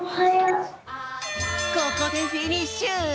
ここでフィニッシュ！